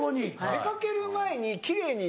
出かける前に奇麗にして。